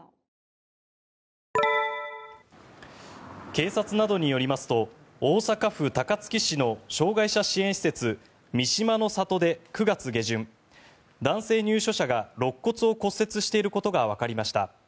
警察などによりますと大阪府高槻市の障害者支援施設三島の郷で９月下旬男性入所者がろっ骨を骨折していることがわかりました。